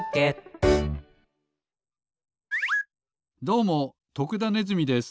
どうも徳田ネズミです。